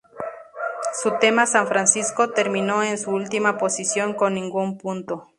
Su tema "San Francisco", terminó en última posición con ningún punto.